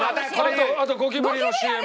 あとゴキブリのＣＭ。